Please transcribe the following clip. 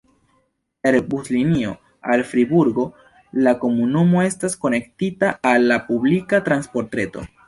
Per buslinio al Friburgo la komunumo estas konektita al la publika transportreto.